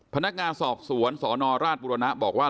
พนักงานสอบสวนสนราชบุรณะบอกว่า